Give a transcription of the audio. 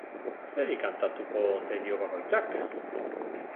Zeri kantatuko ote dio bakoitzak?